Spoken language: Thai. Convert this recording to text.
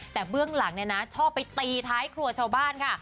แต่เบื้องหลังเนี่ยนะชอบไปตีท้ายครัวชาวบ้านค่ะ